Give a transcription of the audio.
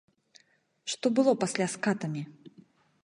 Што было пасля з катамі?